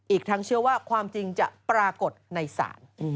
อีกทั้งเชื่อว่าความจริงจะปรากฏในศาล